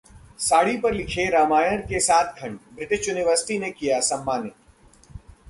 साड़ी पर लिखे रामायण के सात खंड, ब्रिटिश यूनिवर्सिटी ने किया सम्मानित